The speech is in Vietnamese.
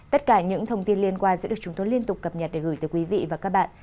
tất cả những thông tin liên quan sẽ được chúng tôi liên tục cập nhật để gửi tới quý vị và các bạn